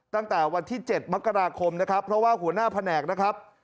ตั้งแต่วันที่๗มกราคมนะครับเพราะว่าหัวหน้าแผนกนะครับ